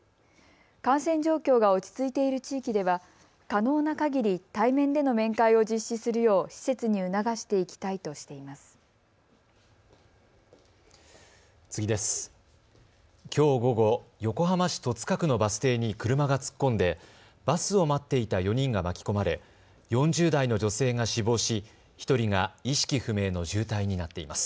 感染状況が落ち着いている地域では可能なかぎり対面での面会を実施するよう施設に促していきたいとしています。